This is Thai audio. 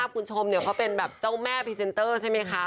คุณชมเขาเป็นแบบเจ้าแม่พรีเซนเตอร์ใช่ไหมคะ